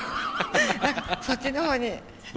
何かそっちの方に。